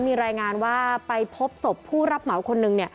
มีรายงานว่าไปพบศพผู้รับเหมาคนหนึ่ง